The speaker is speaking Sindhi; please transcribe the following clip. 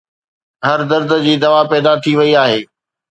هر درد جي دوا پيدا ٿي وئي آهي